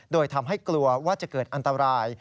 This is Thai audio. โดยทำให้กลัวว่าจะเกิดอันตราย